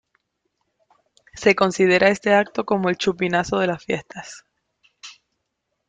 Se considera este acto como el chupinazo de las fiestas.